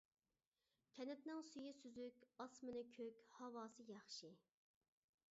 كەنتنىڭ سۈيى سۈزۈك، ئاسمىنى كۆك، ھاۋاسى ياخشى.